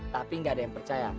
tapi nggak ada yang percaya